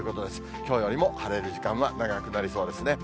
きょうよりも晴れる時間は長くなりそうですね。